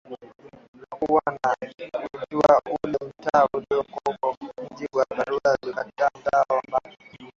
Hakuwa anajua ule mtaa ulipo kwa mujibu wa barua ulikua mtaa wa mbali